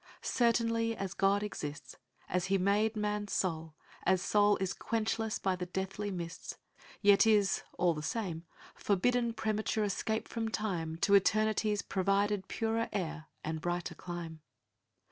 "Certainly as God exists. As He made man's soul, as soul is quench less by the deathly mists Yet is, all the same, forbidden premature escape from time To eternity's provided purer air and brighter clime.